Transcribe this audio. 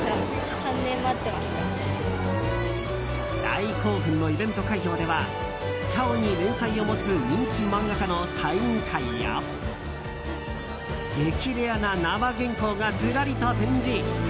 大興奮のイベント会場では「ちゃお」に連載を持つ人気漫画家のサイン会や激レアな生原稿がずらりと展示。